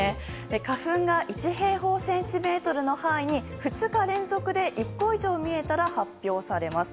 花粉が１平方センチメートルの範囲に２日連続で１個以上見えたら発表されます。